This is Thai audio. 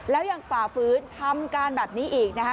แล้วยังฝ่าฟื้นทำการแบบนี้อีกนะคะ